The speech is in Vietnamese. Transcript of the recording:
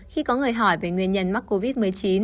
khi có người hỏi về nguyên nhân mắc covid một mươi chín